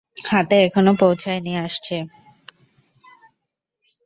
হাতে এখনও পৌঁছায়নি, আসছে।